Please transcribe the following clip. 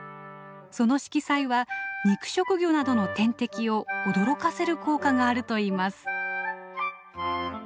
その色彩は肉食魚などの天敵を驚かせる効果があるといいます。